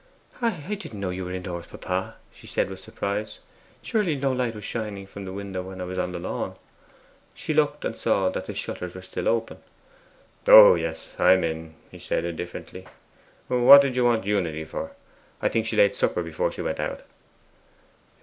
'I didn't know you were indoors, papa,' she said with surprise. 'Surely no light was shining from the window when I was on the lawn?' and she looked and saw that the shutters were still open. 'Oh yes, I am in,' he said indifferently. 'What did you want Unity for? I think she laid supper before she went out.